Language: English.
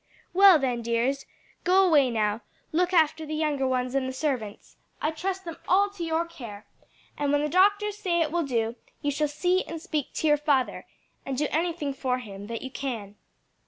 "Well then, dears, go away now; look after the younger ones and the servants I trust them all to your care; and when the doctors say it will do, you shall see and speak to your father, and do anything for him that you can."